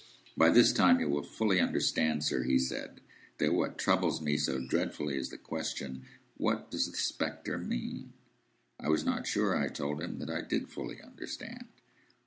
"By this time you will fully understand, sir," he said, "that what troubles me so dreadfully is the question, What does the spectre mean?" I was not sure, I told him, that I did fully understand.